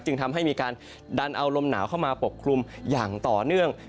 ทำให้มีการดันเอาลมหนาวเข้ามาปกคลุมอย่างต่อเนื่อง